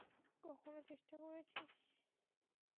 কখনো চেষ্টা করেছিস?